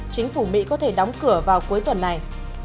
chính phủ mỹ có thể đóng cửa vào cuối tuần này